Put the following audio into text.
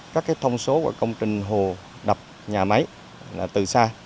các cái thông số của công trình hồ đập nhà máy là từ xa